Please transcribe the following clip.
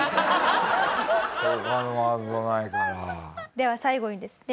では最後にですね